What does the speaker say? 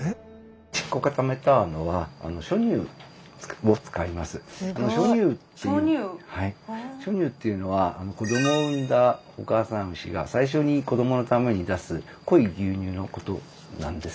はい初乳っていうのは子どもを産んだお母さん牛が最初に子どものために出す濃い牛乳のことなんです。